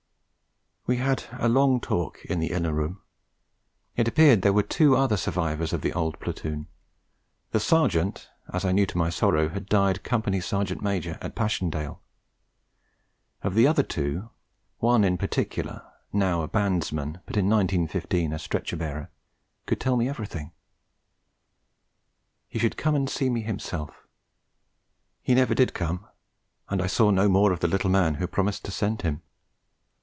We had a long talk in the inner room. It appeared there were two other survivors of the old Platoon; the Sergeant, as I knew to my sorrow, had died Company Sergeant Major at Passchendaele. Of the other two, one in particular, now a bandsman but in 1915 a stretcher bearer, could tell me everything: he should come and see me himself. He never did come, and I saw no more of the little man who promised to send him.